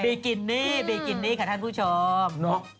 บีกินนี่ค่ะท่านผู้ชม